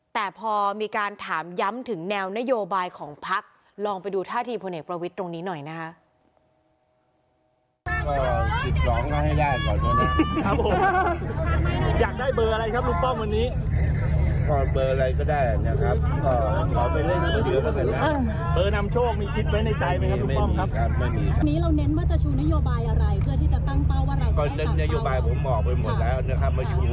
แต่พอมีการถามย้ำถึงแนวนโยบายของพักลองไปดูท่าทีพลเอกประวิทย์ตรงนี้หน่อยนะคะ